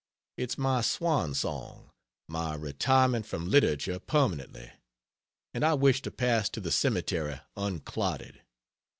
It's my swan song, my retirement from literature permanently, and I wish to pass to the cemetery unclodded.